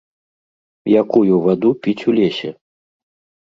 Якую ваду піць у лесе?